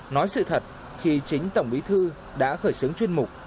nói sự thật khi chính tổng bí thư đã khởi xướng chuyên mục